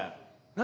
何？